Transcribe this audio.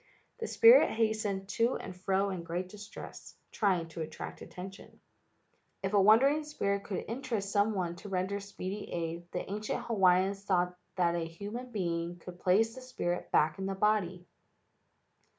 The spirit hastened to and fro in great distress, trying to attract attention. If a wandering spirit could interest some one to render speedy aid, the ancient Hawaiians thought that a human being could place the spirit back in the body.